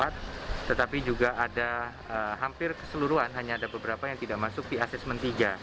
tetapi juga ada hampir keseluruhan hanya ada beberapa yang tidak masuk di asesmen tiga